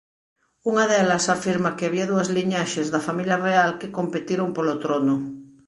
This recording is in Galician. Unha delas afirma que había dúas liñaxes da familia real que competiron polo trono.